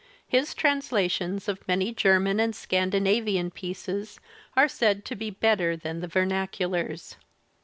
His translations of many German and Scandinavian pieces are said to be better than the vernaculars.